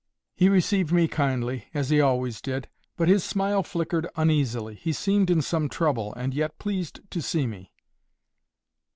He received me kindly, as he always did; but his smile flickered uneasily. He seemed in some trouble, and yet pleased to see me.